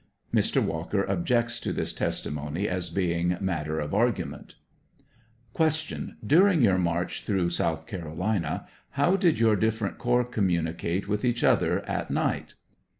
75 [Mr. Walker objects to this testimony as being mat ter of argument.] Q. Daring your march through South Carolina, how did your different corps communicate with each other at night